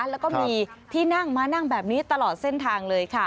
แล้วก็มีที่นั่งมานั่งแบบนี้ตลอดเส้นทางเลยค่ะ